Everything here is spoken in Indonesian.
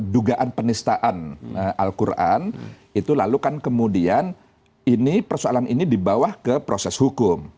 dugaan penistaan al quran itu lalu kan kemudian ini persoalan ini dibawa ke proses hukum